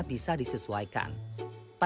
kita genggul dikit ya